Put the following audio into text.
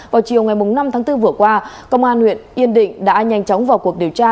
vào chiều ngày năm tháng bốn vừa qua công an huyện yên định đã nhanh chóng vào cuộc điều tra